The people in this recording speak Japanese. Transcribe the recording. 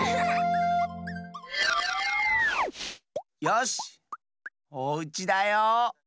よしおうちだよ。